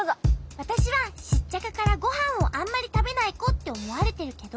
わたしはシッチャカからごはんをあんまりたべないこっておもわれてるけど。